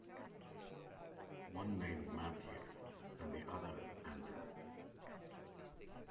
One named Matthew and the other Andrew.